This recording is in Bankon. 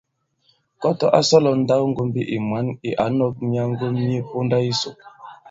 Kɔtɔ a sɔ̀lɔ nndawŋgōmbi ì mwǎn ì ǎ nɔ̄k myaŋgo mye ponda yisò.